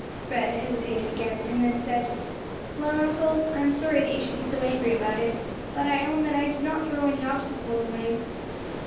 Fred hesitated again, and then said. "Well, uncle, I am sorry that you should be so angry about it, but I own that I did not throw any obstacle in the way."